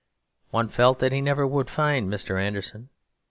One felt that he never would find Mr. Anderson.